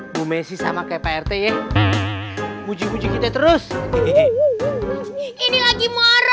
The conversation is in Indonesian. bu messi sama kayak pak rt ya puji puji kita terus ini lagi